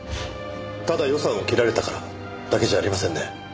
ただ予算を切られたからだけじゃありませんね？